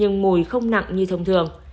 nhưng mùi không nặng như thông thường